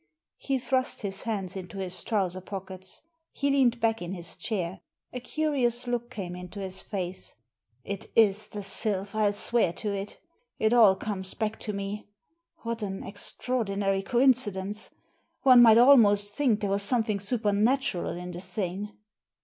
He thrust his hands into his trouser pockets. He leaned back in his chair. A curious look came into his face. "It is the Sylph, I'll swear to it It all comes back to me. What an extraordinary coincidence! One might almost think there was something supernatural in the thing."